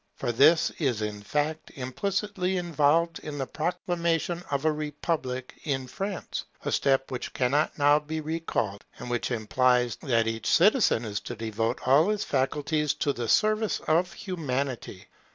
For this is in fact implicitly involved in the proclamation of a Republic in France; a step which cannot now be recalled, and which implies that each citizen is to devote all his faculties to the service of Humanity.